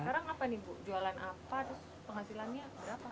jualan apa penghasilannya berapa